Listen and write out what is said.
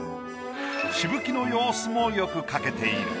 しぶきの様子もよく描けている。